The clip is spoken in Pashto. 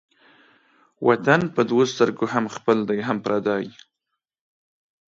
وطن په دوو سترگو هم خپل دى هم پردى.